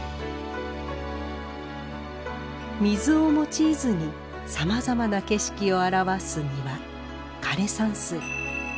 水を用いずにさまざまな景色を表す庭枯山水。